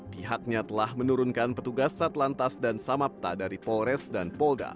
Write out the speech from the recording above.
pihaknya telah menurunkan petugas satlantas dan samapta dari polres dan polda